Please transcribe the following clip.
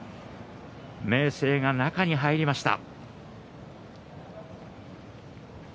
明生が中に入りました。